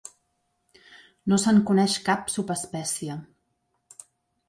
No se'n coneix cap subespècie.